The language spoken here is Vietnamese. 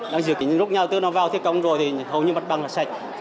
đang dự kiến rút nhau tư nó vào thi công rồi thì hầu như mặt bằng là sạch